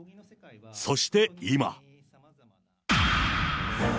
そして今。